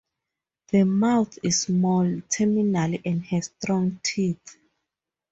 The mouth is small, terminal and has strong teeth.